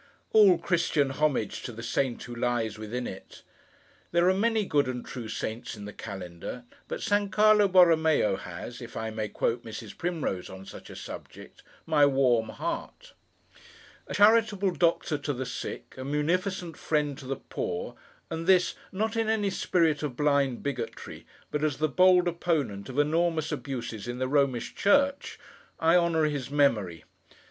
All Christian homage to the saint who lies within it! There are many good and true saints in the calendar, but San Carlo Borromeo has—if I may quote Mrs. Primrose on such a subject—'my warm heart.' A charitable doctor to the sick, a munificent friend to the poor, and this, not in any spirit of blind bigotry, but as the bold opponent of enormous abuses in the Romish church, I honour his memory.